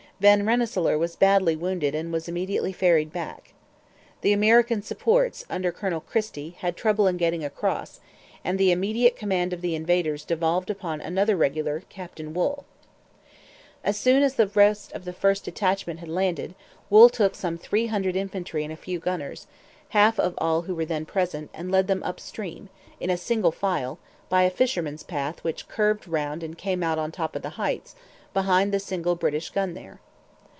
Van Rensselaer was badly wounded and was immediately ferried back. The American supports, under Colonel Christie, had trouble in getting across; and the immediate command of the invaders devolved upon another regular, Captain Wool. As soon as the rest of the first detachment had landed, Wool took some three hundred infantry and a few gunners, half of all who were then present, and led them up stream, in single file, by a fisherman's path which curved round and came out on top of the Heights behind the single British gun there.